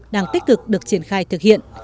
đang tích cực được triển khai thực hiện